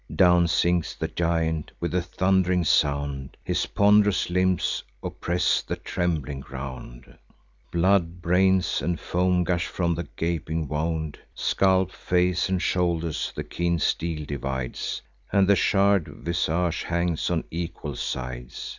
Down sinks the giant with a thund'ring sound: His pond'rous limbs oppress the trembling ground; Blood, brains, and foam gush from the gaping wound: Scalp, face, and shoulders the keen steel divides, And the shar'd visage hangs on equal sides.